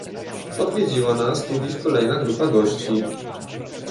Odwiedziła nas tu dziś kolejna grupa gości